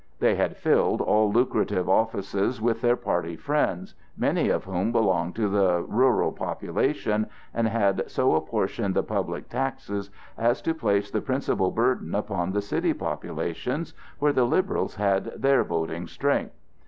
They had filled all lucrative offices with their party friends, many of whom belonged to the rural population, and had so apportioned the public taxes as to place the principal burden upon the city populations, where the Liberals had their voting strength.